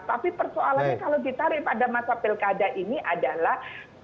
tapi persoalannya kalau ditarik pada masa pilkada ini adalah